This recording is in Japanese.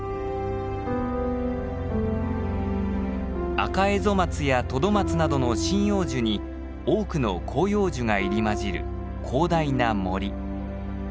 アカエゾマツやトドマツなどの針葉樹に多くの広葉樹が入り交じる広大な森。